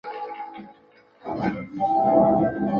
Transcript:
图尔库城堡是位于芬兰城市图尔库的一座中世纪建筑。